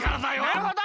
なるほど。